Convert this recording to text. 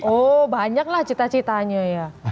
oh banyaklah cita citanya ya